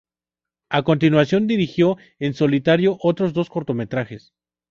A continuación dirigió en solitario otros dos cortometrajes.